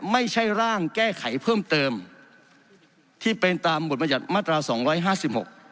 ไม่ใช่ร่างแก้ไขเพิ่มเติมที่เป็นตามบทมาจัด๒๐๑๑